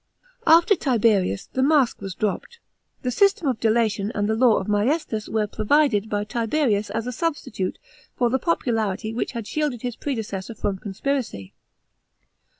After Tiberius, the mask was dropped. The system of delation and the law of maiestas were provided by Tibi rius as a substitute lor the popularity which had shielded his predecessor from conspiracy.